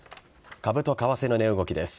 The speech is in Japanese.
株と為替の値動きです。